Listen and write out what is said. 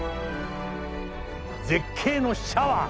絶景のシャワー！